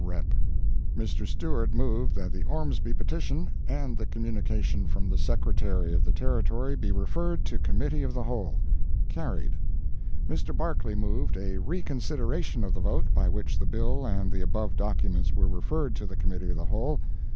—REP.] Mr. Stewart moved that the Ormsby petition and the communication from the Secretary of the Territory be referred to Committee of the Whole. Carried. Mr. Barclay moved a re consideration of the vote by which the bill and the above documents were referred to Committee of the Whole.